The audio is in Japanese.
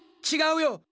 違うよ！